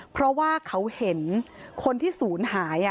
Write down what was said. เพราะว่าเขาเห็นคนที่ศูนย์หาย